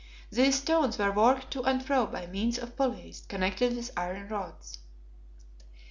These stones were worked to and fro by means of pulleys connected with iron rods. L.